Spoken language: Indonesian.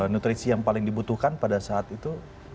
nutrisi yang paling dibutuhkan pada saat itu